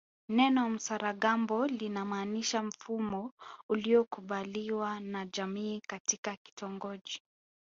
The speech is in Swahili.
Neno msaragambo linamaanisha mfumo uliokubaliwa na jamii katika kitongoji